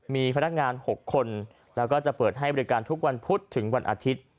มีพนักงาน๖คนแล้วก็จะเปิดให้บริการทุกวันพุธถึงวันอาทิตย์